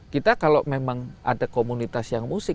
kita kalau memang ada komunitas yang musik